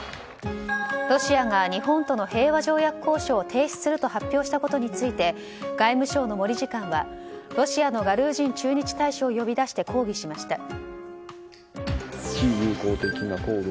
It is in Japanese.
ロシアが日本との平和条約交渉を停止すると発表したことについて外務省の森次官はロシアのガルージン駐日大使を呼び出して抗議しました。